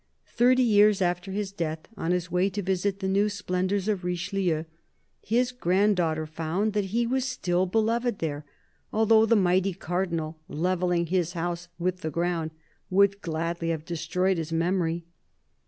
Thirty years after his death, on her way to visit the new splendours of Richelieu, his granddaughter found that he was still beloved there, although the almighty Cardinal, levelling his house with the ground, would gladly have destroyed his memory.